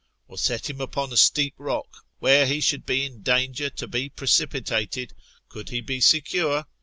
Or set him upon a steep rock, where he should be in danger to be precipitated, could he be secure?